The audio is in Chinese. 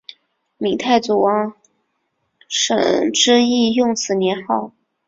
闽太祖王审知亦用此年号。